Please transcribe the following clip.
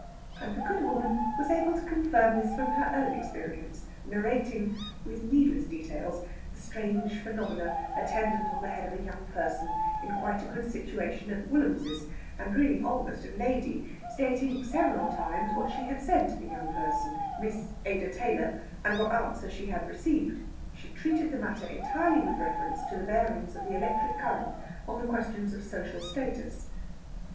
And the good woman was able to confirm this from her own experience, narrating (with needless details) the strange phenomena attendant on the head of a young person in quite a good situation at Woollamses, and really almost a lady, stating several times what she had said to the young person, Miss Ada Taylor, and what answer she had received. She treated the matter entirely with reference to the bearings of the electric current on questions of social status.